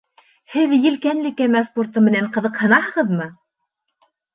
Һеҙ елкәнле кәмә спорты менән ҡыҙыҡһынаһығыҙмы?